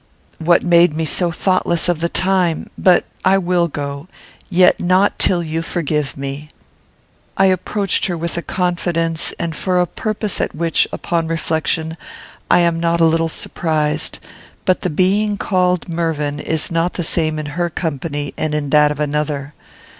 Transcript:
"What made me so thoughtless of the time? But I will go, yet not till you forgive me." I approached her with a confidence and for a purpose at which, upon reflection, I am not a little surprised; but the being called Mervyn is not the same in her company and in that of another.